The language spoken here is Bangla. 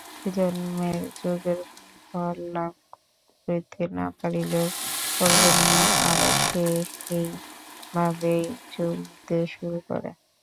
এজন্মে যোগের ফললাভ করিতে না পারিলেও পরজন্মে আবার সে সেই ভাবেই চলিতে শুরু করে।